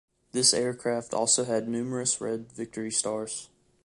This aircraft also had numerous red victory stars.